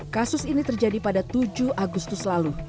kasus ini terjadi pada tujuh agustus lalu